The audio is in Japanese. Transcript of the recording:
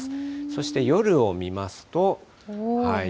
そして夜を見ますと。